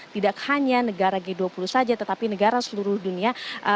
tidak hanya negara g dua puluh saja tetapi negara seluruh dunia